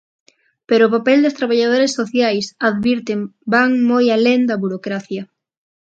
Pero o papel das traballadoras sociais, advirten, van moi alén da burocracia.